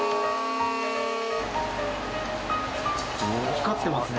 光ってますね。